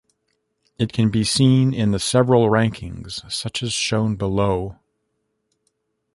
It can be seen in the several rankings such as shown below.